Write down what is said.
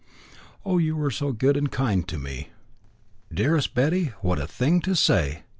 "Oh, you are so good and kind to me!" "Dearest Betty, what a thing to say!